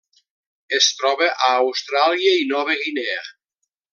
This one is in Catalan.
Es troba a Austràlia i Nova Guinea.